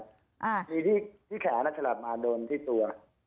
ที่แขนกับฉลับมาโดนที่ตัว